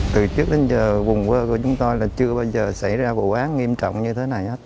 từ trước đến giờ vùng quê của chúng tôi là chưa bao giờ xảy ra vụ án nghiêm trọng như thế này hết